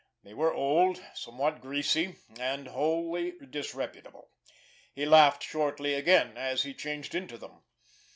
They were old, somewhat greasy, and wholly disreputable. He laughed shortly again, as he changed into them.